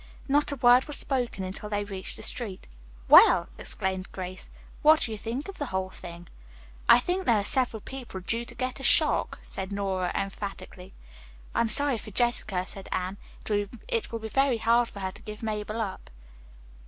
Not a word was spoken until they reached the street. "Well!" exclaimed Grace. "What do you think of the whole thing?" "I think there are several people due to get a shock," said Nora emphatically. "I am sorry for Jessica," said Anne. "It will be very hard for her to give Mabel up."